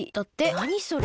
なにそれ？